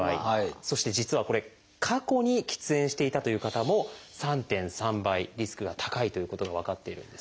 そして実はこれ過去に喫煙していたという方も３．３倍リスクが高いということが分かっているんですね。